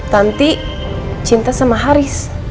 tanti cinta sama haris